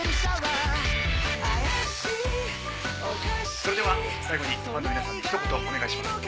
それでは最後にファンの皆さんに一言お願いします。